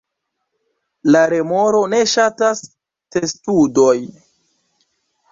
La remoro ne ŝatas testudojn.